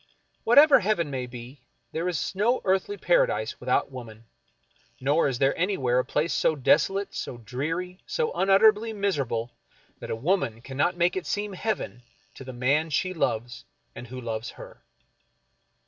Whatever heaven may be, there is no earthly paradise without woman, nor is there anywhere a place so desolate, so dreary, so unutterably m.iserable that a woman cannot make it seem heaven to the man she loves and who loves her.